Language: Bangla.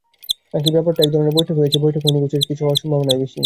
নাকি ব্যাপারটা একধরনের বৈঠক হয়েছে বৈঠক হয়নি গোছের কিছু হওয়ার সম্ভাবনাই বেশি?